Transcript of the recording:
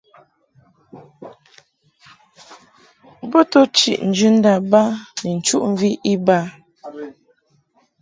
Bo to chiʼ njɨndâ ba ni nchuʼmvi iba.